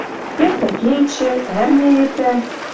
Эртӓ кечӹ, ӓрня эртӓ